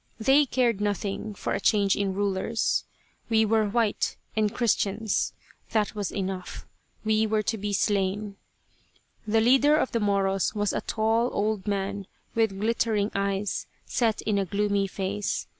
They cared nothing for a change in rulers. We were white, and Christians; that was enough. We were to be slain. The leader of the Moros was a tall old man with glittering eyes set in a gloomy face.